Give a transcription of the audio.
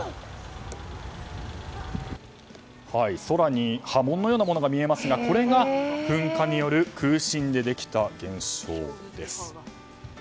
空に波紋のようなものが見えますがこれが噴火による空振でできた現象です。